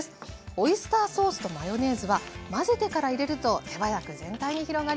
オイスターソースとマヨネーズは混ぜてから入れると手早く全体に広がります。